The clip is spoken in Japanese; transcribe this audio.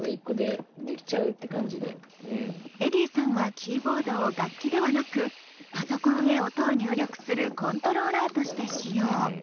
ｅｄｈｉｉｉさんはキーボードを楽器ではなくパソコンへ音を入力するコントローラーとして使用。